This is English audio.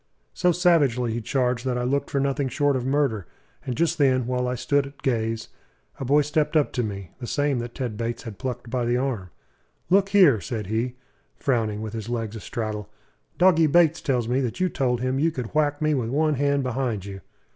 So savagely he charged that I looked for nothing short of murder; and just then, while I stood at gaze, a boy stepped up to me the same that Ted Bates had plucked by the arm. "Look here!" said he, frowning, with his legs a straddle. "Doggy Bates tells me that you told him you could whack me with one hand behind you."